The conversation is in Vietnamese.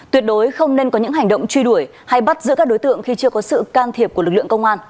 tuyệt đối không nên có những hành động truy đuổi hay bắt giữa các đối tượng khi chưa có sự can thiệp của lực lượng công an